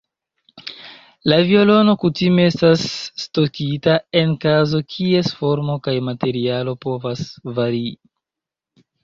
La violono kutime estas stokita en kazo kies formo kaj materialo povas varii.